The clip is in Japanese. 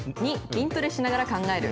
２、筋トレしながら考える。